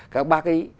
các bác ấy